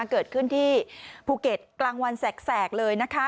เกิดขึ้นที่ภูเก็ตกลางวันแสกเลยนะคะ